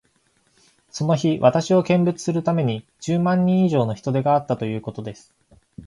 その日、私を見物するために、十万人以上の人出があったということです。